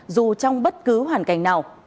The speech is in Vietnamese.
dù trong bất cứ hoàn cảnh nào